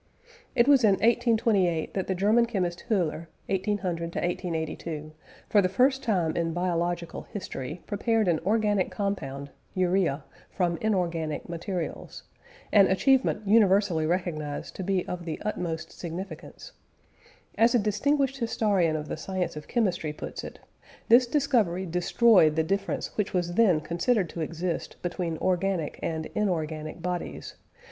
It was in 1828 that the German chemist Whöler (1800 1882) for the first time in biological history prepared an organic compound (urea) from inorganic materials an achievement universally recognised to be of the utmost significance. As a distinguished historian of the science of chemistry puts it: "This discovery destroyed the difference which was then considered to exist between organic and inorganic bodies, viz.